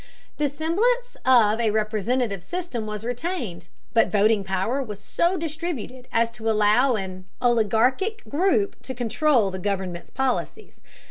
The semblance of a representative system was retained, but voting power was so distributed as to allow an oligarchic group to control the government's policies.